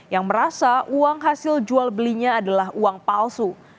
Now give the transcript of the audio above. yang merasa uang hasil jual belinya adalah uang palsu